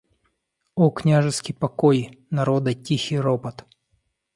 О княжеский покой, народа тихий ропот.